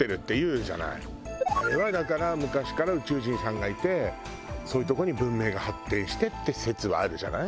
あれはだから昔から宇宙人さんがいてそういうとこに文明が発展してって説はあるじゃない？